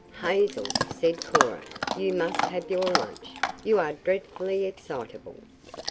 "Hazel," said Cora, "you must have your lunch. You are dreadfully excitable."